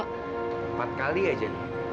empat kali aja